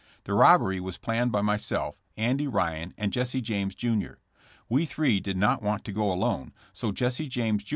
The robbery was planned by myself, Andy Ryan and Jesse James, Jr. We three did not want to go alone, so Jesse James, jr.